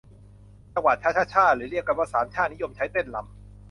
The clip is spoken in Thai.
จังหวะชะชะช่า หรือเรียกกันว่าสามช่า นิยมใช้เต้นรำ